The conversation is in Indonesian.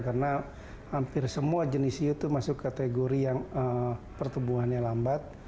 karena hampir semua jenis hiu itu masuk kategori yang pertumbuhannya lambat